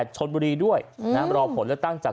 ชนบุรีด้วยนะครับรอผลและตั้งจาก